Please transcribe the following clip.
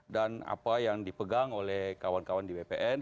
dan apa yang dipegang oleh kawan kawan di bpn